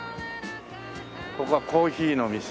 ここはコーヒーの店。